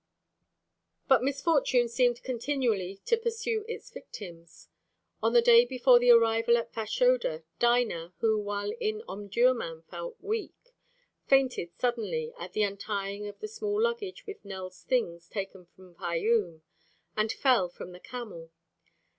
But misfortune seemed continually to pursue its victims. On the day before the arrival at Fashoda, Dinah, who while in Omdurmân felt weak, fainted suddenly at the untying of the small luggage with Nell's things taken from Fayûm, and fell from the camel.